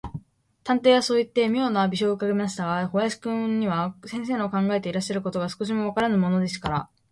探偵はそういって、みょうな微笑をうかべましたが、小林君には、先生の考えていらっしゃることが、少しもわからぬものですから、